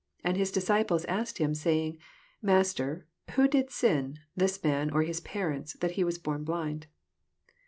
2 And his disciples asked him, say ing, Master, who did sin, this man, or his parents, that he was born blind